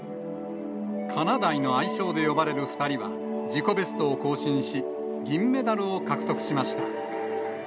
かなだいの愛称で呼ばれる２人は、自己ベストを更新し、銀メダルを獲得しました。